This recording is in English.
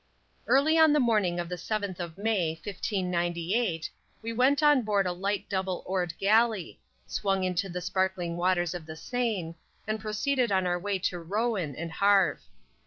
Early on the morning of the seventh of May, 1598, we went on board a light double oared galley, swung into the sparkling waters of the Seine, and proceeded on our way to Rouen and Havre.